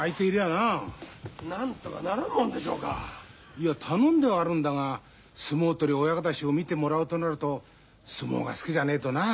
いや頼んではあるんだが相撲取り親方衆を診てもらうとなると相撲が好きじゃねえとなあ。